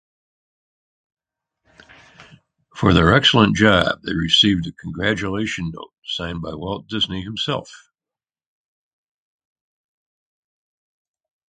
For their excellent job they received a congratulation note signed by Walt Disney himself.